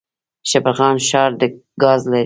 شبرغان ښار ګاز لري؟